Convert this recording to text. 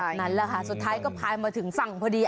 แบบนั้นแหละค่ะสุดท้ายก็พลายมาถึงศักดิ์พฤดี